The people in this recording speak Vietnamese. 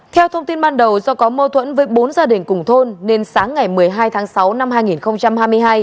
theo thông tin ban đầu do có mâu thuẫn với bốn gia đình cùng thôn nên sáng ngày một mươi hai tháng sáu năm hai nghìn hai mươi hai